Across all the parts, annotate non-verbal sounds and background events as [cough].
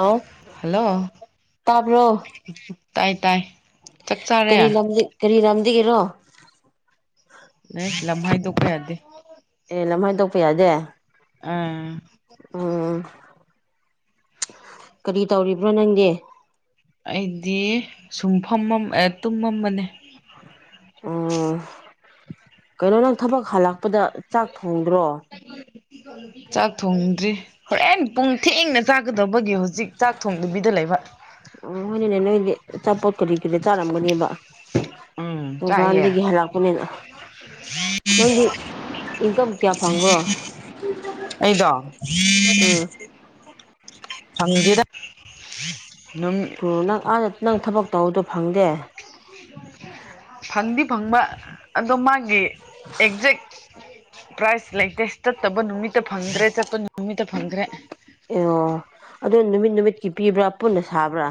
ꯍꯥꯎ hello ꯇꯥꯕ꯭ꯔꯣ ꯇꯥꯏ ꯇꯥꯏ ꯆꯥꯛ ꯆꯥꯔꯦ ꯀꯔꯤ ꯂꯝꯗ ꯀꯔꯤ ꯂꯝꯗꯒꯤꯔꯣ ꯑꯦ ꯂꯝ ꯍꯥꯏꯗ‌ꯣꯛꯄ ꯌꯥꯗꯦ ꯑꯦ ꯂꯝ ꯍꯥꯏꯗ‌ꯣꯛꯄ ꯌꯥꯗꯦ ꯑꯥ ꯎꯝ ꯀꯔꯤ ꯇꯧꯔꯤꯕ꯭ꯔꯣ ꯅꯪꯗꯤ ꯑꯩꯗꯤ ꯁꯨꯝ ꯐꯝ ꯑ‌ꯦ ꯇꯨꯝꯃꯝꯕꯅꯦ ꯎ ꯀꯩꯅꯣ ꯅꯪ ꯊꯕꯛ ꯍꯜꯂꯛ ꯄꯗ ꯆꯥꯛ ꯊꯣꯡꯗ‍꯭ꯔ‌ꯣ ꯆꯥꯛ ꯊꯣꯡꯗ꯭ꯔꯤ ꯍꯣꯔꯦꯟ ꯄꯨꯡ ꯊꯦꯡꯅ ꯆꯥꯒꯗꯧꯕꯒꯤ ꯍꯧꯖꯤꯛ ꯆꯥꯛ ꯊꯣꯡꯗꯕꯤꯗ ꯂꯩꯕ ꯑꯣ ꯍꯣꯏꯅꯦ ꯅꯣꯏꯗꯤ ꯑꯆꯥꯄꯣꯠ ꯀꯔꯤ ꯀꯔꯤ ꯆꯥꯔꯝꯒꯅꯦꯕ ꯎꯝ ꯆꯥꯏꯌꯦ ꯗꯨꯀꯥꯟꯗꯒꯤ ꯍꯜꯂꯛꯄꯅꯤꯅ ꯅꯪꯗꯤ ꯏꯟꯀꯝ ꯀꯌꯥ ꯐꯪꯕ꯭ꯔꯣ ꯑꯩꯗꯣ ꯎꯝ ꯐꯪꯗ‌ꯦꯗꯥ [inaudible] ꯀꯣꯔꯣꯅꯪ ꯑꯥꯗ ꯅꯪ ꯊꯕꯛ ꯇꯧꯕꯗ‌ꯣ ꯐꯪꯗꯤ ꯐꯪꯕ ꯑꯗꯣ ꯃꯥꯒꯤ ꯑꯦꯛꯖꯦꯛ ꯄ꯭ꯔꯥꯏꯁ ꯂꯩꯇꯦ ꯆꯠꯠꯇꯕ ꯅꯨꯃꯤꯠꯇ ꯐꯪꯗ꯭ꯔꯦ ꯆꯠꯄ ꯅꯨꯃꯤꯠꯇ ꯐꯪꯗ꯭ꯔꯦ ꯑꯣ ꯑꯗꯨ ꯅꯨꯃꯤꯠ ꯅꯨꯃꯤꯠꯀꯤ ꯄꯤꯕ꯭ꯔꯥ ꯄꯨꯟꯅ ꯁꯥꯕ꯭ꯔꯥ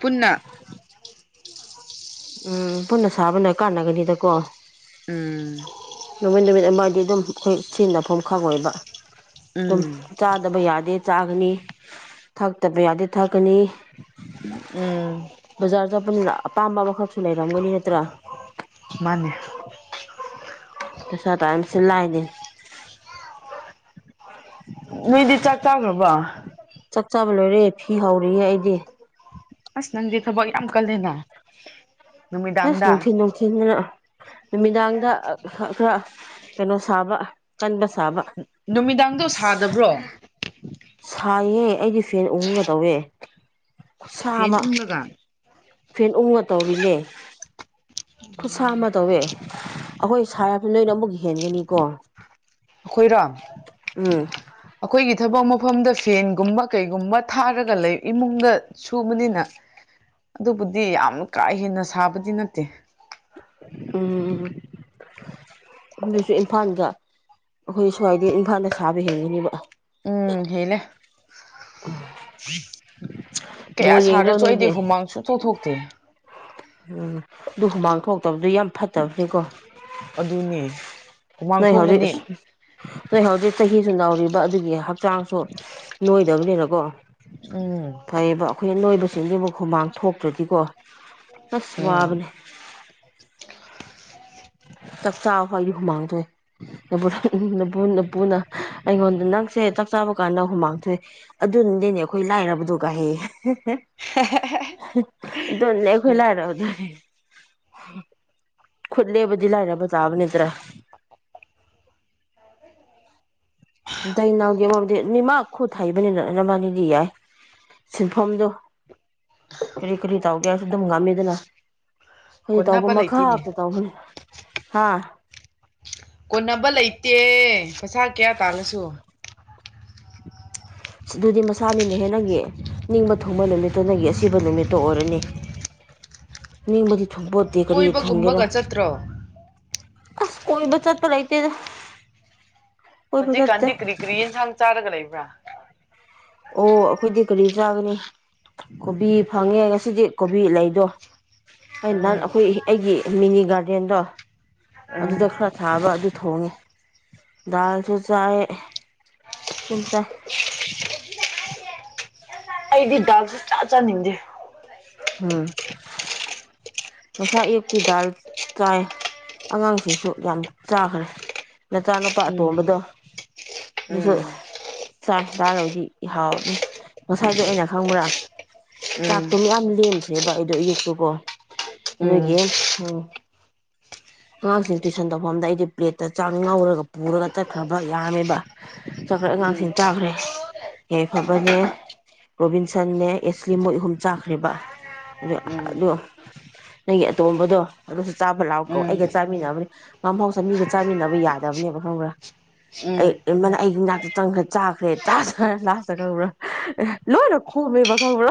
ꯄꯨꯟꯅ ꯎꯝ ꯄꯨꯟꯅ ꯁꯥꯕꯅ ꯀꯥꯟꯅꯒꯅꯤꯗꯀꯣ ꯎꯝ ꯗꯤ ꯑꯗꯨꯝ ꯑꯩꯈꯣꯏ ꯁꯤꯖꯤꯟꯅꯐꯝ ꯈꯪꯉ‌ꯣꯏꯕ ꯑꯗꯨꯝ ꯎꯝ ꯆꯥꯗꯕ ꯌꯥꯗꯦ ꯆꯥꯒꯅꯤ ꯊꯛꯇꯕ ꯌꯥꯗ‌ꯦ ꯊꯛꯀꯅꯤ ꯎꯝ ꯕꯖꯥꯔ ꯆꯠꯄꯅꯤꯅ ꯑꯄꯥꯝꯕ ꯑꯃ ꯈꯛ ꯂꯩꯔꯝꯒꯅꯤ ꯅꯠꯍꯇ꯭ꯔꯥ ꯃꯥꯅꯦ [unintelligible] ꯄꯩꯁꯥ ꯇꯥꯟꯕꯁꯤ ꯂꯥꯏꯗ‌ꯦ ꯅꯣꯏꯗꯤ ꯆꯥꯛ ꯆꯥꯈ꯭ꯔꯕ ꯆꯥꯛ ꯆꯥꯕ ꯂꯣꯏꯔꯦ ꯐꯤ ꯐꯎꯔꯤꯌ‌ꯦ ꯑꯩꯗꯤ ꯑꯁ ꯅꯪꯗꯤ ꯊꯕꯛ ꯌꯥꯝ ꯀꯜꯂꯦꯅ ꯑꯁ ꯅꯨꯃꯤꯗꯥꯡꯗ ꯅꯨꯡꯊꯤꯟ ꯅꯨꯡꯊꯤꯟꯗꯅ ꯅꯨꯃꯤꯗꯥꯡꯗ ꯑ ꯈꯔ ꯀꯩꯅꯣ ꯁꯥꯕ ꯀꯟꯗ ꯅꯨꯃꯤꯗꯥꯡꯗꯣ ꯁꯥꯗꯕ꯭ꯔꯣ ꯁꯥꯏꯌꯦ ꯑꯩꯗꯤ ꯐꯦꯟ ꯎꯪꯉꯥ ꯇꯧꯋꯦ ꯈꯨꯠꯁꯥ ꯐꯦꯟ ꯑꯃ ꯎꯪꯂꯒ ꯐꯦꯟ ꯎꯪꯉꯥ ꯇꯧꯔꯤꯅꯦ ꯈꯨꯠꯁꯥ ꯑꯃ ꯇꯧꯋꯦ ꯑꯩꯈꯣꯏ ꯁꯥꯔꯕ ꯅ‌ꯣꯏꯅ ꯑꯃꯨꯛ ꯍꯦꯟꯒꯅꯤꯀꯣ ꯑꯩꯈꯣꯏꯔꯣ ꯎꯝ ꯑꯩꯈꯣꯏꯒꯤ ꯊꯕꯛ ꯑꯃꯨꯛ ꯃꯐꯝꯗ ꯐꯦꯟꯒꯨꯝꯕ ꯀꯩꯒꯨꯝꯕ ꯊꯥꯔꯒ ꯂꯩ ꯏꯃꯨꯡꯗ ꯁꯨꯕꯅꯤꯅ ꯑꯗꯨꯕꯨꯗꯤ ꯌꯥꯝ ꯀꯥ ꯍꯦꯟꯅ ꯁꯥꯕꯗꯤ ꯅꯠꯇꯦ ꯎꯝ ꯎꯝ ꯑꯗꯨꯁꯨ ꯏꯝꯐꯥꯜꯗ ꯑꯩꯈꯣꯏ ꯁ꯭ꯋꯥꯏꯗ ꯏꯝꯐꯥꯜꯅ ꯁꯥꯕ ꯍꯦꯟꯒꯅꯦꯕ ꯎꯝ ꯍ‌ꯦꯜꯂ‌ꯦ ꯕꯣꯜ ꯀꯌꯥ ꯌꯦꯡꯗ꯭ꯔꯣ ꯁꯥꯔꯁꯨ ꯑꯩꯗꯤ ꯅꯣꯏꯗꯤ ꯍꯨꯃꯥꯡ ꯁꯨꯡꯊ‌ꯣꯛ ꯊꯣꯛꯇꯦ ꯎꯝ ꯑꯗꯨ ꯍꯨꯃꯥꯡ ꯊꯣꯛꯇꯕꯗꯨ ꯌꯥꯝ ꯐꯠꯇꯕꯅꯤꯀꯣ ꯑꯗꯨꯅꯦ ꯍꯨꯃꯥꯡ ꯊꯣꯛꯂꯗꯤ ꯅ‌ꯣꯏ ꯍꯧꯖꯤꯛ ꯆꯍꯤꯁꯨ ꯅꯧꯔꯤꯕ ꯑꯗꯨꯒꯤ ꯍꯛꯆꯥꯡꯁꯨ ꯅꯣꯏꯗꯕꯅꯤꯅꯀꯣ ꯎꯝ ꯐꯩꯌꯦꯕ ꯑꯩꯈꯣꯏ ꯅꯣꯏꯕꯁꯤꯡꯁꯤꯕꯨ ꯈꯨꯃꯥꯡ ꯊꯣꯛꯇ꯭ꯔꯗꯤꯀꯣ ꯑꯁ ꯋꯥꯕꯅꯦ ꯎꯝ ꯆꯥꯛꯆꯥꯥ ꯍ ꯑꯩ ꯍꯨꯃꯥꯡꯗꯣꯏꯄꯨꯅ ꯑꯩꯉꯣꯟꯗ ꯅꯪ ꯁꯦ ꯆꯥꯛ ꯆꯥꯕ ꯀꯥꯟꯗ ꯍꯨꯃꯥꯡ ꯊꯣꯛꯣꯛꯑꯦ ꯑꯗꯨꯅꯗꯤꯅꯦ ꯑꯩꯈꯣꯏ ꯂꯥꯏꯔꯕꯗ ꯀꯥꯏꯍ ꯑꯗꯨꯅꯗꯤ ꯑꯩꯈꯣꯏ ꯂꯥꯏꯔꯕꯗꯨꯅꯦ ꯎꯝ [inaudible] ꯈꯨꯂꯦꯕꯗꯤ ꯂꯥꯏꯔꯕ ꯇꯕꯅꯤꯗꯔꯥ [unintelligible] ꯈꯣꯠ ꯊ ꯍꯥꯏꯕꯅꯤꯅꯅ ꯃꯥꯅꯤꯗꯤ ꯌꯥꯏ ꯁꯤꯟꯐꯝꯗꯣ ꯀꯔꯤ ꯀꯔꯤ ꯇꯥꯎ ꯑꯗꯨꯝ ꯉꯝꯃꯤꯗꯅ ꯍꯧꯏꯗꯤ ꯇꯧꯕ ꯀꯣꯟꯅꯕ ꯃꯈꯥ ꯂꯩꯇꯦꯅꯦ ꯑꯇ ꯇꯧꯕꯅꯤ ꯍꯥꯥ ꯀꯣꯟꯅꯕ ꯂꯩꯇꯦ ꯄꯩꯁꯥ ꯀꯌꯥ ꯇꯥꯜꯂꯁꯨ ꯑꯗꯨꯗꯤ ꯃꯁꯥꯅꯤꯅꯍꯦ ꯅꯪꯒꯤ ꯅꯤꯡꯕ ꯊꯨꯡꯕ ꯅꯨꯃꯤꯠꯇꯨ ꯅꯪꯒꯤ ꯑꯁꯤꯕ ꯅꯨꯃꯤꯠꯇꯣ ꯑꯣꯏꯔꯅꯤ ꯅꯤꯡꯕꯗꯤ ꯊꯕꯣꯠꯇ ꯀꯔꯤ ꯊꯣꯡꯒꯦꯔ ꯀꯣꯏꯕꯒꯨꯝꯕꯒ ꯆꯠꯇ꯭ꯔꯣ ꯑꯁ ꯑꯣꯏꯕ ꯆꯆꯥ ꯇ ꯂꯩꯍꯤꯇꯗ ꯍꯧꯖꯤ ꯀꯥꯟꯗꯤ ꯀ꯭ ꯀꯔꯤꯟ ꯁꯥꯡ ꯆꯥꯔꯒ ꯂꯩ ꯭ꯔ ꯑꯣ ꯑꯩꯈꯣꯏꯗꯤ ꯀꯔꯤ ꯆꯥꯒꯅꯤ ꯀꯣꯕꯤ ꯐꯪꯉꯦ ꯉꯁꯤꯗꯤ ꯀꯣꯕꯤ ꯂꯩꯗꯣ ꯑꯩ ꯅꯍꯥꯟ ꯎꯝ ꯑꯩꯈꯣꯏ ꯑꯩꯒꯤ ꯃꯤꯅꯤ ꯒꯥꯔꯗꯦꯟꯗꯣ ꯎꯝ ꯑꯗꯨꯗ ꯈꯔ ꯊꯥꯕ ꯑꯗꯨ ꯊꯣꯡꯉꯦ ꯗꯥꯜꯁꯨ ꯆꯥꯏ ꯁꯨꯝ ꯆꯥꯏ ꯑꯩꯗꯤ ꯜꯁꯦ ꯆꯥ ꯆꯥꯅꯤꯡꯗꯦ ꯎꯝ ꯃꯁꯥ ꯑꯌꯨꯛꯇꯤ ꯗꯥꯜ ꯆꯥꯏ ꯑꯉꯥꯡꯁꯤꯡꯁꯨ ꯌꯥꯝ ꯆꯥꯈ꯭ꯔꯦ ꯅꯆꯥꯅꯨꯄꯥ ꯎꯝ ꯑꯇꯣꯝꯕꯗꯣ ꯑꯗꯨꯁꯨ ꯎꯝ ꯆꯥꯏ ꯂꯥꯛꯂꯕꯗꯤ ꯍꯥꯎꯕꯅꯤ ꯉꯁꯥꯏꯗꯣ ꯑꯩꯅ ꯈꯪꯕ꯭ꯔꯥ ꯆꯥꯥꯛ ꯇꯣꯃꯤ ꯑ ꯁꯦꯝꯈ꯭ꯔꯦꯕ ꯑꯩꯗꯣ ꯑꯌꯨꯛꯇꯨꯀꯣ ꯎꯝ ꯑꯗꯨꯒꯤ ꯎꯝ ꯑꯉꯥꯡꯁꯤꯡ ꯇꯨꯏꯁꯟ ꯇꯧꯐꯝꯗ ꯑꯩꯗꯤ ꯄ꯭ꯂꯦꯠꯇ ꯆꯥꯛ ꯉꯧꯔꯒ ꯄꯨꯔꯒ ꯆꯠꯈ꯭ꯔꯕ ꯌꯥꯝꯃꯦꯕ ꯆꯠꯈ꯭ꯔ ꯎꯝ ꯑꯉꯥꯡꯁꯤꯡ ꯎꯝ ꯆꯥꯈ꯭ꯔꯦ ꯌꯥꯏꯐꯕꯅꯦ ꯔꯣꯕꯤꯟꯁꯟꯅꯦ ꯑꯦꯁꯂꯤ ꯃꯣꯏꯛ ꯑꯍꯨꯝ ꯆꯥꯈ꯭ꯔꯦꯕ ꯑꯗꯨ ꯑꯗꯣ ꯅꯪꯒꯤ ꯑꯇꯣꯝꯕꯗꯣ ꯑꯗꯨꯁꯨ ꯆꯥꯕ ꯎꯝ ꯂꯥꯛꯥꯎ ꯀ ꯎꯝ ꯑꯩꯒ ꯆꯥꯃꯤꯟꯅꯕꯅꯤ ꯉꯝꯍꯥꯎꯁ ꯃꯤꯒ ꯆꯥꯃꯤꯟꯅꯕ ꯌꯥꯗꯕꯅꯦꯕ ꯈꯪꯕ꯭ꯔꯥ ꯎꯝ ꯑꯩꯅ ꯑꯩꯒꯤꯅꯥꯥꯛꯛꯇ ꯆꯪꯈ꯭ꯔꯦ ꯆꯥꯈ꯭ꯔꯦ ꯆꯥꯈ꯭ꯔ ꯂꯥꯁꯇ ꯈꯪꯕ꯭ꯔꯥ ꯑꯦ ꯂꯣꯏꯅ ꯈꯣꯝꯃꯦꯕ ꯈꯪꯕ꯭ꯔꯥ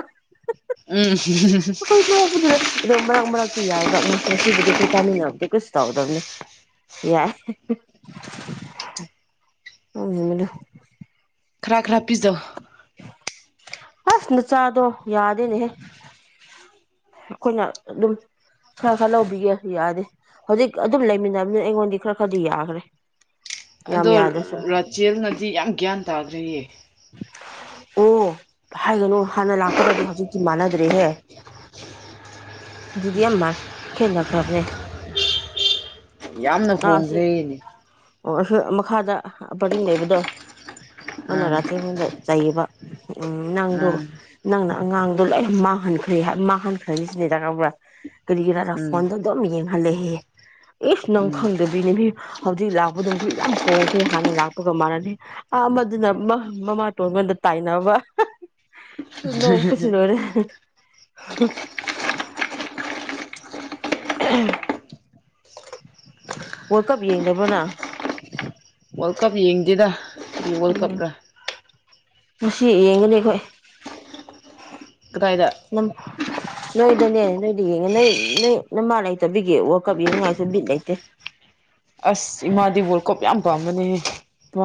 ꯎꯝ ꯎꯝ ꯑꯩꯈꯣꯏ ꯅꯣꯛꯄꯗꯨꯅ ꯑꯗꯣ ꯃꯔꯛ ꯃꯔꯛꯇꯤ ꯌꯥꯏꯕ ꯉꯍ ꯉꯁꯤꯕꯨꯗꯤ ꯑꯩꯈꯣꯏ ꯆꯥꯃꯤꯟꯅꯔꯗꯨ ꯀꯩꯁꯨ ꯇꯧꯗꯕꯅꯤ ꯌꯥꯏ ꯎ ꯃ ꯈꯔ ꯈꯔ ꯄꯤꯖꯥ ꯑꯁ ꯅ ꯆꯥꯗꯣ ꯌꯥꯗꯅꯦꯍ ꯑꯩꯈꯣꯏꯅ ꯑꯗꯨꯝ ꯈꯔ ꯈꯔ ꯂꯧꯕꯤꯒꯦ ꯌꯥꯔꯦ ꯍꯧꯖꯤꯛ ꯑꯗꯨꯝ ꯂꯩꯃꯤꯟꯅꯕꯅꯤꯅ ꯑꯩꯉꯣꯟꯗꯤ ꯈꯔ ꯈꯔꯗꯤ ꯌꯥꯈ꯭ꯔꯦ ꯌꯥꯝ ꯑꯗꯣ ꯌꯥꯗ꯭ꯔꯁꯨ ꯔꯥꯆꯦꯜꯅꯗꯤ ꯌꯥꯝ ꯒ꯭ꯌꯥꯟ ꯇꯥꯈ꯭ꯔꯦꯌꯦ ꯑꯣ ꯍꯥꯏꯒꯅꯨ ꯍꯥꯟꯅ ꯂꯥꯛꯄꯒꯗꯤ ꯍꯧꯖꯤꯛꯇꯤ ꯃꯥꯟꯅꯗ꯭ꯔꯦꯍꯦ ꯑꯗꯨꯗꯤ ꯌꯥꯝ ꯈꯦꯟꯅꯈ꯭ꯔꯕꯅꯦ ꯌꯥꯝꯅ ꯍꯣꯡꯈ꯭ꯔꯦꯅꯦ ꯑꯣ ꯃꯈꯥꯗ ꯄꯔꯤꯡ ꯂꯩꯕꯗꯣ ꯑꯥ ꯃꯅꯔꯥꯗ ꯆꯩꯌꯦꯕ ꯎꯝ ꯅꯪꯗꯣ ꯑꯥ ꯅꯪꯪ ꯑꯉꯥꯡꯗꯣ ꯂꯣꯏ ꯃꯥꯡꯍꯟꯈ꯭ꯔꯦ ꯃꯥꯡꯍꯟꯈ꯭ꯔꯅꯤ ꯁꯤꯅꯦꯗꯕ꯭ꯔꯥ ꯀꯔꯤꯂꯤꯌꯥꯔꯥ ꯎꯝ ꯐꯣꯟꯗꯝ ꯌꯦꯡ ꯑꯦ ꯏꯁ ꯅꯪ ꯎꯝ ꯈꯪꯗꯗꯣꯏꯅꯦ ꯃꯤ ꯍꯧꯖꯤꯛ ꯂꯥꯛ ꯑꯗꯨꯝ ꯌꯥꯝ ꯍꯣꯡꯈ꯭ꯔꯦ ꯍꯥꯟꯅ ꯂꯥꯛꯄꯒ ꯃꯥꯟꯅꯗꯦ ꯑꯃꯗꯨꯅ ꯃꯃꯥ ꯇꯣꯟꯉꯣꯟꯗ ꯇꯥꯏꯅꯕ ꯂꯣꯡ ꯄꯨꯁꯤ ꯂꯔꯦ [unintelligible] [unintelligible] ꯋꯥꯔꯜ ꯀꯞ ꯌꯦꯡꯗꯕ꯭ꯔꯣꯅꯪ ꯋꯥꯔꯜꯗ ꯀꯞ ꯌꯦꯡꯗꯗ ꯋꯥꯔꯜ ꯎꯝ ꯀꯞꯗ ꯉꯁꯤ ꯌꯦꯡꯒꯅꯤ ꯑꯩꯈꯣꯏ ꯀꯗꯥꯏꯗ ꯅꯣꯏꯣꯏ ꯗꯅꯦ ꯅꯣꯏꯗꯤ ꯌꯦꯡꯉꯦ ꯅꯣꯏ ꯅꯣꯏ ꯅꯃꯥ ꯂꯩꯇꯕꯤꯒꯤ ꯋꯥ ꯀꯞ ꯌꯦꯡꯉꯥꯏꯁꯨ ꯕꯤꯠ ꯂꯩꯇꯦ ꯑꯁ ꯏꯃꯥꯗꯤ ꯋꯥꯔꯜ ꯀꯞ ꯌꯥꯝ ꯄꯥꯝꯕꯅꯦꯍ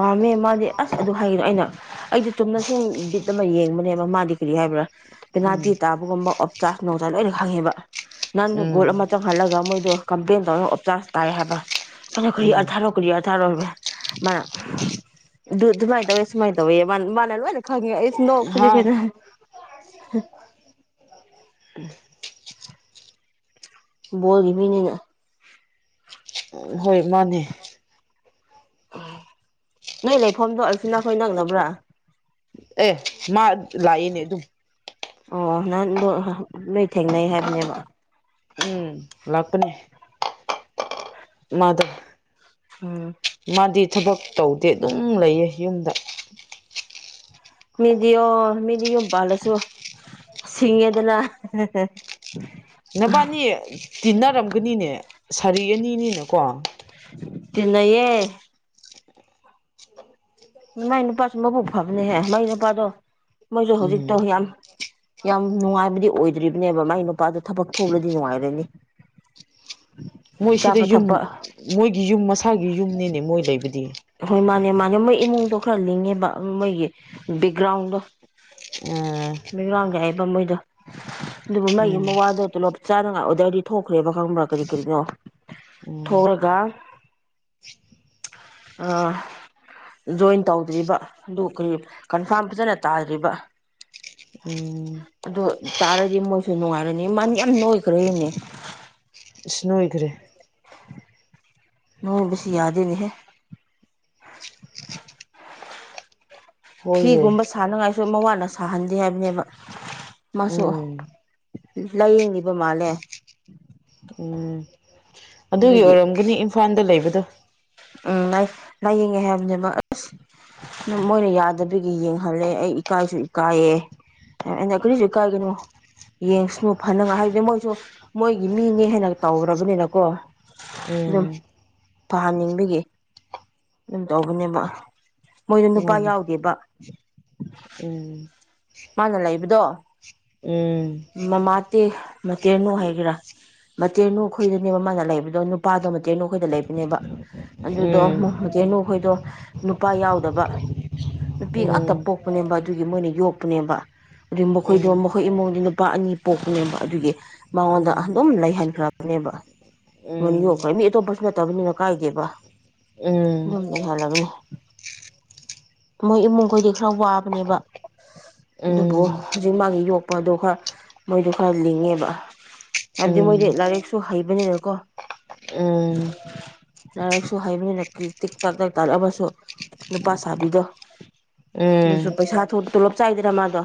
ꯄꯥꯝꯃꯦ ꯃꯥꯗꯤ ꯑꯁ ꯑꯗꯨ ꯍꯥꯏꯒꯅꯣ ꯑꯩꯅ ꯑꯩꯗꯤ ꯇꯨꯝꯅ ꯁꯨꯝ ꯕꯤꯠ ꯑꯃ ꯌꯦꯡꯕꯅꯦꯕ ꯃꯥꯗꯤ ꯀꯔꯤ ꯍꯥꯏꯕ꯭ꯔꯥ ꯎꯝ ꯄꯦꯅꯥꯜꯇꯤ ꯇꯥꯕꯒꯨꯝꯕ ꯑꯣꯞꯆꯥꯥꯔꯖ ꯣꯡꯖꯥ ꯂꯣꯏꯅ ꯈꯪꯉꯦꯕ ꯅꯪꯅ ꯎꯝ ꯒꯣꯜ ꯑꯃ ꯆꯪꯍꯜꯂꯒ ꯃꯣꯏꯗꯣ ꯀꯝꯄ꯭ꯂꯦꯟ ꯇꯧꯔꯒ ꯑꯣꯞꯆꯥꯥꯔꯖ ꯇꯥꯏ ꯍꯥꯏꯕ ꯑꯩꯅ ꯈꯔꯤ ꯎꯝ ꯑꯥꯔꯊꯥꯔꯛꯣ ꯈꯔꯤ ꯑꯔꯊꯥꯔꯛꯣ ꯃꯥꯅ ꯗꯨ ꯃꯥꯏꯗꯕꯁꯨꯃꯥꯏꯗꯕ ꯃꯥꯂꯅꯦ ꯈꯪꯉ ꯗꯣ ꯐꯖꯤ ꯍꯥ ꯐꯗ ꯍ [inaudible] ꯕꯣꯜꯒꯤꯃꯤ ꯍꯣꯏ ꯃꯥꯅꯦ ꯅꯣꯏ ꯂꯩꯐꯝꯗꯣ ꯑꯜꯐꯤꯅꯥ ꯈꯣꯏ ꯅꯛꯅꯕ꯭ꯔꯥ ꯑꯦ ꯃꯥ ꯂꯥꯛꯑꯌꯦꯅꯦ ꯑꯗꯨꯝ ꯑꯣ ꯅꯪꯗꯣ ꯅꯣꯏ ꯊꯦꯡꯅꯩ ꯍꯥꯏꯕꯅꯦꯕ ꯅꯦ ꯃꯥꯗ ꯎꯝ ꯃꯥꯗꯤ ꯊꯕꯛ ꯇꯧꯗꯦ ꯑꯗꯨꯝ ꯂꯩꯌꯦ ꯌꯨꯝꯗ ꯃꯤꯗꯤ ꯑꯣ ꯃꯤꯗꯤ ꯌꯣꯟ ꯄꯜꯂꯁꯨ ꯁꯤꯡꯉꯦꯗꯅ ꯅꯕꯥꯅꯤ ꯇꯤꯟꯅꯔꯝꯒꯅꯤꯅꯦ ꯁꯥꯔꯤ ꯑꯅꯤꯅꯤꯅꯀꯣ ꯇꯅꯌꯦ ꯃꯥꯏ ꯅꯨꯄꯥꯁꯨ ꯃꯕꯨꯛ ꯐꯕꯅꯦꯍꯦ ꯃꯥꯏ ꯅꯨꯄꯥꯗꯣ ꯃꯣꯏꯁꯨ ꯍꯧꯖꯤꯛꯇꯣ ꯎꯝ ꯌꯥꯝ ꯌꯥꯝ ꯅꯨꯡꯉꯥꯏꯕꯗꯤ ꯑꯣꯏꯗ꯭ꯔꯤꯕꯅꯦꯕ ꯃꯥꯏꯒꯤ ꯅꯨꯄꯥꯗꯣ ꯊꯕꯛ ꯐꯔꯗꯤ ꯅꯨꯡꯉꯥꯏꯔꯅꯤ ꯃꯣꯏꯁꯤꯗ ꯆꯥꯕ ꯌꯨꯝ ꯊꯛꯄ ꯃꯣꯏꯒꯤ ꯌꯨꯝ ꯃꯁꯥꯒꯤ ꯌꯨꯝꯅꯤꯅꯦ ꯃꯣꯏ ꯂꯩꯕꯗꯤ ꯌꯦꯝꯩ ꯏꯃꯨꯡꯗꯣ ꯈꯔ ꯂꯤꯡꯉꯦꯕ ꯃꯣꯏꯒꯤ ꯕꯦꯛꯒ꯭ꯔꯥꯎꯟꯗꯣ ꯑ ꯗ ꯑꯗꯨ ꯃꯩꯒꯤ ꯃ ꯋꯥꯗꯣꯂꯞ ꯆꯥꯅꯉꯥꯏ ꯑꯣꯗꯔꯗꯤ ꯊꯣꯛꯈ꯭ꯔꯦꯕ ꯈꯪꯕ꯭ꯔꯥ ꯀꯔꯤ ꯀꯔꯤꯅꯣ ꯎꯝ ꯊꯣꯛꯔꯒ ꯖꯣꯏꯟ ꯇꯧꯗ꯭ꯔꯤꯕ ꯑꯗꯨ ꯀꯔꯤ ꯀꯟꯐꯥꯔꯝ ꯐꯖꯅ ꯇꯥꯗ꯭ꯔꯤꯕ ꯎꯝ ꯑꯗꯨ ꯇꯥꯔꯗꯤ ꯃꯣꯏꯁꯨ ꯅꯨꯡꯉꯥꯏꯔꯅꯤ ꯃꯥꯅ ꯌꯥꯝ ꯅꯣꯏꯈ꯭ꯔꯦꯅꯦ ꯏꯁ ꯅꯣꯏꯈ꯭ꯔꯦ ꯅꯣꯡ ꯁꯤ ꯌꯥꯗꯅꯦꯍꯦ ꯍꯣꯏꯌꯦ ꯐꯤꯒꯨꯝꯕ ꯁꯥꯟꯅꯉꯥꯏ ꯁ ꯃ ꯋꯥꯅ ꯁꯥꯍꯟꯗꯦ ꯍꯥꯏꯕꯅꯦꯕ ꯎꯝ ꯂꯥꯏꯌꯦꯡꯉꯤꯕ ꯃꯥꯜꯂꯦ ꯎꯝ ꯑꯗꯨꯒꯤ ꯑꯣꯏꯔꯝꯒꯅꯤ ꯏꯝꯐꯥꯜꯗ ꯂꯩꯕꯗꯣ ꯎꯝ ꯂꯥꯏꯌꯦꯡꯉꯦ ꯍꯥꯏꯕꯅꯦꯕ ꯑꯁ ꯃꯣꯏꯅ ꯌꯥꯗꯕꯒꯤ ꯌꯦꯡꯍꯜꯂꯦ ꯑꯩ ꯏꯀꯥꯏꯁꯨ ꯏꯀꯥꯏꯌꯦ ꯑꯩꯅ ꯀꯔꯤꯁꯨ ꯏꯀꯥꯏꯒꯅꯨ ꯌꯦꯡꯁꯅꯨ ꯐꯅꯉꯥꯏ ꯍꯥꯏꯕꯗꯤ ꯃꯣꯏꯁꯨ ꯃꯣꯏꯒꯤ ꯃꯤꯅꯦ ꯍꯦꯟꯅ ꯇꯧ꯭ꯔꯔꯕꯅꯤꯅꯀꯣ ꯑꯗꯨꯝ ꯎꯝ ꯐꯍꯟꯅꯤꯡꯕꯒꯤ ꯑꯗꯨꯝ ꯇꯧꯕꯅꯦꯕ ꯃꯣꯏꯗ ꯅꯨꯄꯥ ꯃꯥꯅꯦ ꯌꯥꯎꯗꯦꯕ ꯎꯝ ꯃꯥꯅ ꯂꯩꯕꯗꯣ ꯎꯝ ꯃꯃꯥꯇꯦ ꯃꯇꯦꯅꯨ ꯍꯥꯏꯒꯦꯔꯥ ꯃꯇꯦꯅꯨ ꯈꯣꯏꯗꯅꯦꯕ ꯃꯥꯅ ꯂꯩꯕꯗꯣ ꯅꯨꯄꯥꯗꯣ ꯃꯇꯦꯅꯨꯈꯣꯏꯗ ꯂꯩꯕꯅꯦꯕ ꯑꯗꯨꯗꯣ ꯎꯝ ꯃꯦꯅꯨꯈꯣꯏꯗꯣ ꯅꯨꯄꯥ ꯌꯥꯎꯗꯕ ꯅꯨꯄꯤ ꯉꯥꯛꯇ ꯎꯝ ꯄꯣꯛꯄꯅꯦꯕ ꯑꯗꯨꯒꯤ ꯃꯣꯏꯅ ꯌꯣꯛꯄꯅꯦꯕ ꯑꯗꯨꯒꯤ ꯃꯈꯣꯏꯗꯣ ꯃꯈꯣꯏ ꯏꯃꯨꯡꯗꯤ ꯂꯨꯄꯥ ꯑꯅꯤ ꯄꯣꯛꯄꯅꯦꯕ ꯑꯗꯨꯒꯤ ꯃꯉꯣꯟꯗ ꯑꯗꯨꯝ ꯂꯩꯍꯟꯈ꯭ꯔꯕꯅꯦꯕ ꯃꯣꯏꯅ ꯌꯣꯛꯈ꯭ꯔꯕ ꯃꯤ ꯑꯇꯣꯞꯄꯁꯨ ꯅꯠꯇꯕꯅꯤꯅ ꯀꯥꯏꯗꯦꯕ ꯑꯗꯨꯝ ꯂꯩꯍꯜꯂꯕꯅꯤ ꯃꯣꯏ ꯏꯃꯨꯡꯈꯣꯏꯗꯤ ꯈꯔ ꯋꯥꯕꯅꯦꯕ ꯑꯗꯨꯕꯨ ꯍꯧꯖꯤꯛ ꯃꯥꯒꯤ ꯌꯣꯛꯄꯗꯣ ꯈꯔ ꯃꯣꯏꯗꯣ ꯈꯔ ꯂꯤꯡꯉꯦꯕ ꯍꯥꯏꯕꯗꯤ ꯃꯣꯏꯗꯤ ꯂꯥꯏꯔꯤꯛꯁꯨ ꯍꯩꯕꯅꯤꯅꯀꯣ ꯂꯥꯏꯔꯤꯛꯁꯨ ꯍꯩꯕꯅꯤꯅꯤ ꯇꯤꯛ ꯇꯥꯛ ꯇꯛ ꯇꯥꯛꯂꯛꯑꯃꯁꯨ ꯅꯨꯄꯥ ꯁꯥꯕꯤꯗꯣ ꯑꯗꯨꯁꯨ ꯄꯩꯁꯥ ꯇꯣꯂꯞ ꯆꯥꯏꯗꯅ ꯃꯥꯗꯣ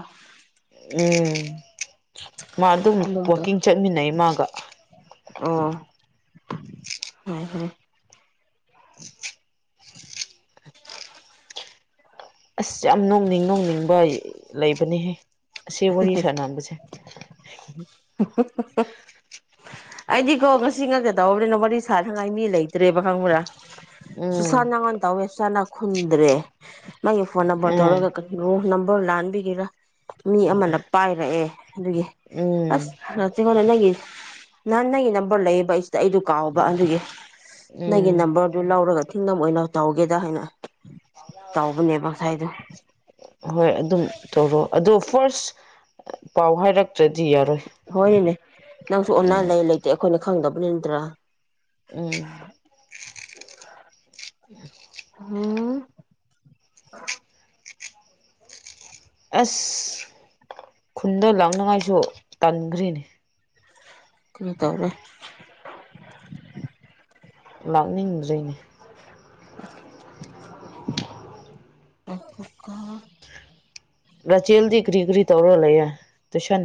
ꯃꯥ ꯑꯗꯨꯝ ꯋꯥꯋꯥꯛꯀꯤꯡ ꯆꯠꯃꯤꯟꯅꯩ ꯃꯥꯒ ꯑꯣ ꯍ ꯍ ꯑ ꯑꯁ ꯌꯥꯝ ꯅꯣꯡꯅꯤꯡ ꯅꯣꯡꯅꯤꯡꯕ ꯂꯩꯕꯅꯤꯍꯦ ꯁꯤꯕꯅꯤꯁ ꯅꯝ ꯀꯁꯦ ꯑꯩꯗꯤꯀꯣ ꯉꯁꯤ ꯉꯥꯛꯀ ꯇꯧꯔꯕꯅꯤꯅ ꯋꯥꯔꯤ ꯁꯥꯅꯅꯉꯥꯏ ꯃꯤ ꯂꯩꯇ꯭ꯔꯦꯕ ꯈꯪꯕ꯭ꯔꯥ ꯎꯝ ꯁꯨꯁꯥꯟꯪ ꯇꯋꯦꯁꯥꯟꯅ ꯈꯨꯨꯝꯗ꯭ꯔꯦ ꯃꯥꯒꯤ ꯐꯣꯟ ꯅꯝꯕꯔ ꯎꯝ ꯇꯧꯔꯒ ꯀꯔꯤ ꯅꯣ ꯣ ꯂꯥꯟꯕꯤꯒꯦꯔꯥ ꯃꯤ ꯑꯃꯅ ꯄꯥꯏꯔꯛꯑꯦ ꯑꯗꯨꯒꯤ ꯑꯁ ꯎꯝ ꯔꯆꯒꯣꯂ [unintelligible] ꯅꯍꯥꯟ ꯅꯪꯒꯤ ꯅꯝꯕꯔ ꯂꯩꯌꯦꯕ ꯑꯩ ꯁꯤꯗ ꯑꯩꯗꯨ ꯀꯥꯎꯕ ꯑꯗꯨꯒꯤ ꯅꯪꯒꯤ ꯎꯝ ꯅꯝꯕꯔ ꯑꯗꯨ ꯂꯧꯑꯣꯔꯒ ꯏꯤꯡꯗꯝ ꯑꯣꯏꯅ ꯇꯧꯒꯦꯗ ꯍꯥꯏꯅ ꯇꯧꯕꯅꯦꯕ ꯉꯁꯥꯏꯗꯣ ꯍꯣꯏ ꯑꯗꯨꯝ ꯇꯧꯔꯣ ꯑꯗꯨ ꯐ‌ꯣꯏꯔꯁ ꯄꯥꯎ ꯍꯥꯏꯔꯛꯇ꯭ꯔꯗꯤ ꯌꯥꯔꯣꯏ ꯍꯣꯏꯅꯦ ꯅꯪꯁꯨ ꯑꯣꯟꯅ ꯎꯝ ꯂꯩ ꯂꯩꯇꯦ ꯑꯩꯈꯣꯏꯅ ꯈꯪꯗꯕ ꯅꯠꯇ꯭ꯔꯥ ꯎꯝ ꯍꯨꯝ ꯑꯁ ꯈꯨꯟꯗ ꯂꯥꯛꯅꯉꯥꯏꯁꯨ ꯇꯟꯒ꯭ꯔ‌ꯦꯅꯦ ꯀꯔꯤ ꯇꯧꯔꯦ ꯂꯥꯛꯅꯤꯡꯗ꯭ꯔ‌ꯦꯅꯦ [inaudible] ꯔꯆꯦꯜꯗꯤ ꯀꯔꯤ ꯀꯔꯤ ꯇꯧꯔꯥ ꯂꯩꯌꯦ ꯇꯨꯏꯁꯟ